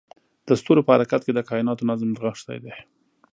د ستورو په حرکت کې د کایناتو نظم نغښتی دی.